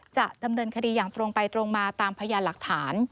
จะดำเนินคดีอย่างตรงไปตรงมาตามพยานหลักฐาน